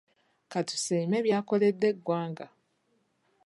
Ka tusiime byakoledde eggwanga